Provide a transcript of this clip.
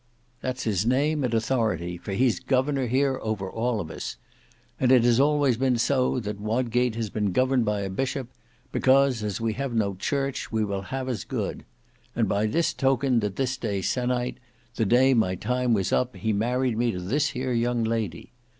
"That's his name and authority; for he's the governor here over all of us. And it has always been so that Wodgate has been governed by a bishop; because as we have no church, we will have as good. And by this token that this day sen'night, the day my time was up, he married me to this here young lady.